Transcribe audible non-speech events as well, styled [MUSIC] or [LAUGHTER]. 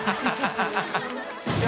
ハハハ [LAUGHS]